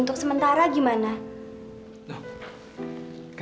gue samperin aja deh